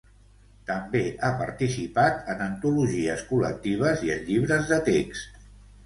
També ha participat en antologies col·lectives i en llibres de text.